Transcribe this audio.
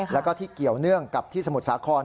แล้วก็ที่เกี่ยวเนื่องกับที่สมุทรสาคร